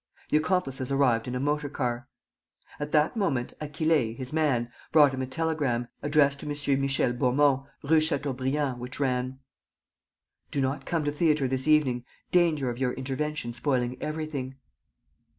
The accomplices arrived in a motor car. At that moment, Achille, his man, brought him a telegram, addressed to M. Michel Beaumont, Rue Chateaubriand, which ran: "Do not come to theatre this evening. Danger of your intervention spoiling everything."